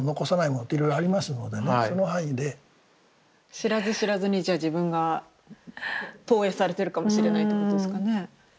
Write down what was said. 知らず知らずにじゃあ自分が投影されてるかもしれないってことですかね。